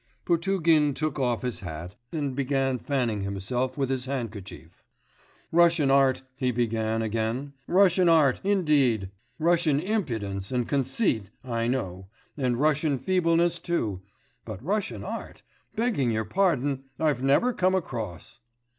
Potugin took off his hat and began fanning himself with his handkerchief. 'Russian art,' he began again. 'Russian art, indeed!... Russian impudence and conceit, I know, and Russian feebleness too, but Russian art, begging your pardon, I've never come across.